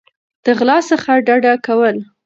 د غلا څخه ډډه کول